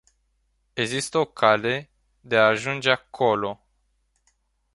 Există o cale de a ajunge acolo.